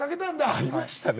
「ありましたね」